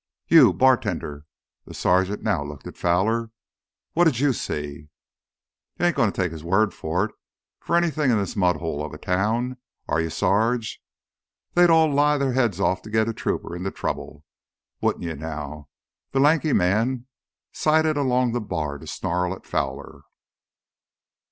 "You ... bartender—" The sergeant now looked to Fowler. "What'd you see?" "You ain't gonna take his word for it, for anythin' in this mudhole of a town, are you, Sarge? They'd all lie their heads off to git a trooper into trouble. Wouldn't you now?" The lanky man sidled along the bar to snarl at Fowler.